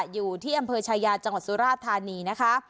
อยู่ที่อำเภอชายาจังหวัดสุราธานีนะคะ